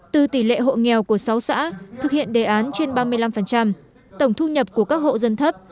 từ tỷ lệ hộ nghèo của sáu xã thực hiện đề án trên ba mươi năm tổng thu nhập của các hộ dân thấp